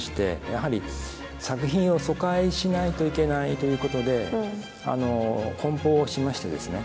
やはり作品を疎開しないといけないということでこん包をしましてですね